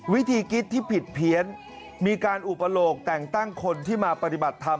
วิธีคิดที่ผิดเพี้ยนมีการอุปโลกแต่งตั้งคนที่มาปฏิบัติธรรม